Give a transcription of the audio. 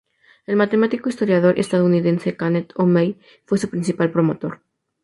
El matemático e historiador estadounidense Kenneth O. May fue su principal promotor.